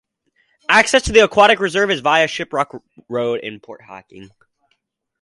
Access to the aquatic reserve is via Shiprock Road in Port Hacking.